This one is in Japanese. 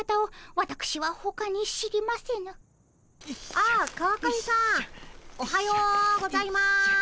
あっ川上さんおはようございます。